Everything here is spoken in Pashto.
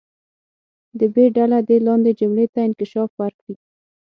د ب ډله دې لاندې جملې ته انکشاف ورکړي.